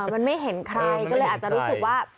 มันไม่เห็นใครก็เลยอาจจะรู้สึกว่า